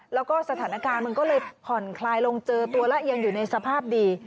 แล้วก็สถานการณ์มันก็เลยผ่อนคลายลงเจอตัวแล้วยังอยู่ในสภาพดี